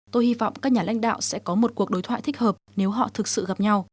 tôi hy vọng các nhà lãnh đạo sẽ có một cuộc đối thoại thích hợp nếu họ thực sự gặp nhau